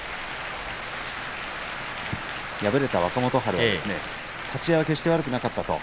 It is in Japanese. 敗れた若元春は立ち合いは決して悪くなかった。